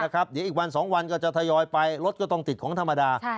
เดี๋ยวอีกวัน๒วันก็จะทยอยไปรถก็ต้องติดของธรรมดา